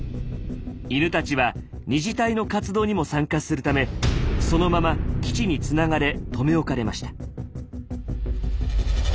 犬たちは２次隊の活動にも参加するためそのまま基地につながれ留め置かれました。